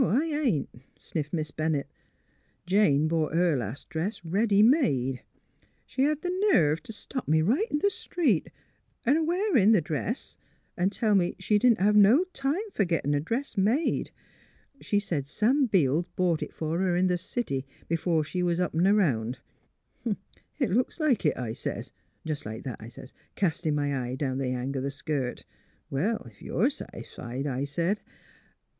I ain't," sniffed Miss Bennett. *' Jane bought her last dress ready made. She hed th' nerve t' stop me right in th' street — her a wearin' th' dress — an' tell me she didn't hev no time fer gittin' a dress made. She said Sam Beels bought it for her in th' city, b'fore she was up 'n* around. * It looks like it,' I sez, — jes' like that, I sez — castin' my eye down at the hang o' th' skirt. * Well, if you're satisfied,' I sez .